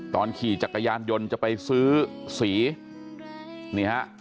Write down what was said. ตอนขี่จักรยานยนท์จะไปซื้อศีร